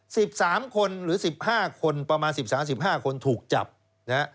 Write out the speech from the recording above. สิบสามคนหรือสิบห้าคนประมาณสิบสามสิบห้าคนถูกจับนะฮะ